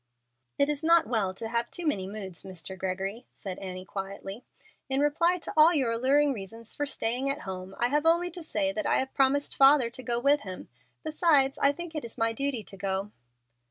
"It is not well to have too many moods, Mr. Gregory," said Annie, quietly. "In reply to all your alluring reasons for staying at home I have only to say that I have promised father to go with him; besides, I think it is my duty to go."